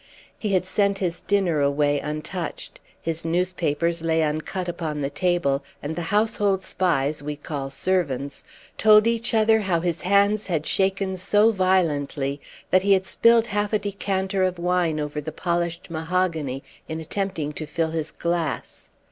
He had sent his dinner away untouched; his newspapers lay uncut upon the table, and the household spies we call servants told each other how his hand had shaken so violently that he had spilled half a decanter of wine over the polished mahogany in attempting to fill his glass.